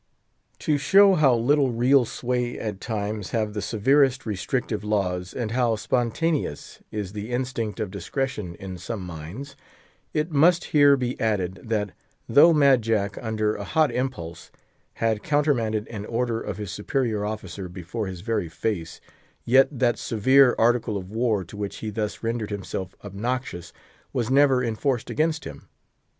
To show how little real sway at times have the severest restrictive laws, and how spontaneous is the instinct of discretion in some minds, it must here be added, that though Mad Jack, under a hot impulse, had countermanded an order of his superior officer before his very face, yet that severe Article of War, to which he thus rendered himself obnoxious, was never enforced against him.